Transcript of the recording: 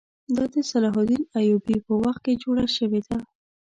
دا د صلاح الدین ایوبي په وخت کې جوړه شوې ده.